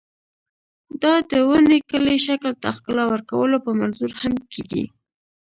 دا د ونې کلي شکل ته ښکلا ورکولو په منظور هم کېږي.